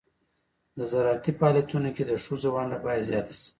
د زراعتي فعالیتونو کې د ښځو ونډه باید زیاته شي.